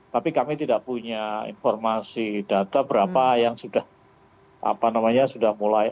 tapi kami tidak punya informasi data berapa yang sudah mulai